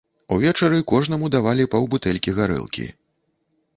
Увечары кожнаму давалі паўбутэлькі гарэлкі.